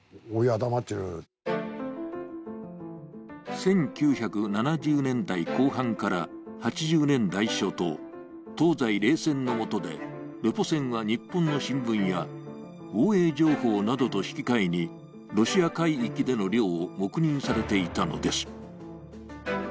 １９７０年代後半から８０年代初頭、東西冷戦のもとでレポ船は日本の新聞や防衛情報などと引き換えに、ロシア海域での漁を黙認されていたのです。